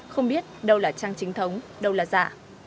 không biết đâu là trang chính thống đâu là dạ